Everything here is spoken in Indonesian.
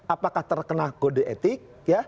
apakah terkena kode etik